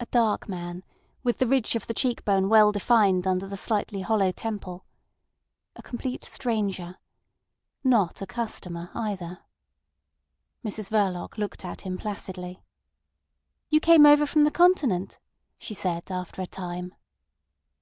A dark man, with the ridge of the cheek bone well defined under the slightly hollow temple. A complete stranger. Not a customer either. Mrs Verloc looked at him placidly. "You came over from the Continent?" she said after a time.